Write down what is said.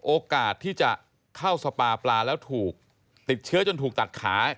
โอกาสที่จะเข้าสปาปลาแล้วถูกติดเชื้อจนถูกตัดขา